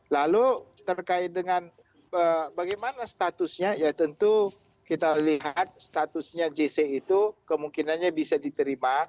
lalu terkait dengan bagaimana statusnya ya tentu kita lihat statusnya jc itu kemungkinannya bisa diterima